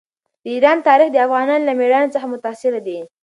د ایران تاریخ د افغانانو له مېړانې څخه متاثره دی.